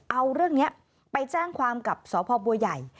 เอาเรื่องนี้ไปแจ้งความกับสพบัวใหญ่